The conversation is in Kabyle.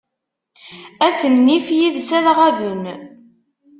At nnif yid-s ad ɣaben.